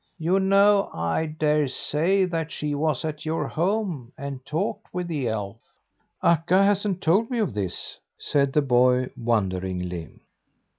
You know, I dare say, that she was at your home and talked with the elf." "Akka hasn't told me of this," said the boy wonderingly.